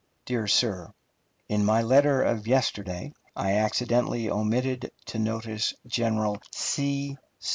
DEAR SIR: In my letter of yesterday I accidentally omitted to notice General C.